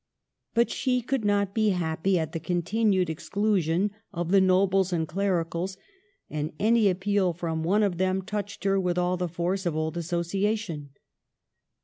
But she could not be happy at the continued exclusion of the nobles and clericals, and any appeal from one of them touched her with all the force of old association.